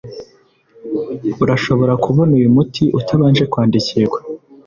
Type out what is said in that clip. Urashobora kubona uyu muti utabanje kwandikirwa